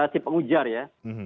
si pengujar ya